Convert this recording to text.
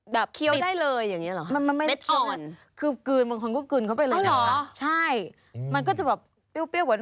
แบบเคี้ยวได้เลยอย่างนี้หรอ